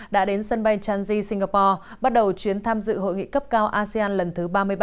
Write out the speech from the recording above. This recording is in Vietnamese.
đã đến sân bay chanji singapore bắt đầu chuyến tham dự hội nghị cấp cao asean lần thứ ba mươi ba